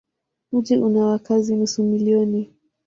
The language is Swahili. Mji una wakazi nusu milioni.